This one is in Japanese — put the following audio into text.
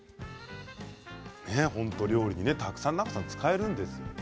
本当に、料理にたくさん使えるんですよね。